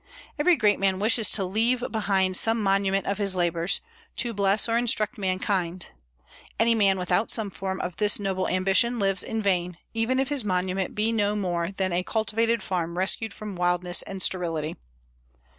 Every great man wishes to leave behind some monument of his labors, to bless or instruct mankind. Any man without some form of this noble ambition lives in vain, even if his monument be no more than a cultivated farm rescued from wildness and sterility.